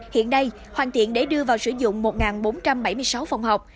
hiện đây hoàn thiện để đưa vào sử dụng một bốn trăm bảy mươi sáu phòng học